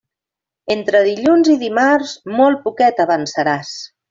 Entre dilluns i dimarts, molt poquet avançaràs.